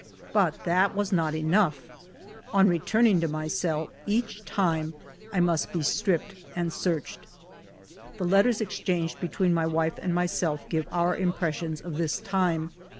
But that was not enough ! On returning to my cell, each time I must be stripped and searched [ The letters exchanged between my wife and myself give our impressions of this time.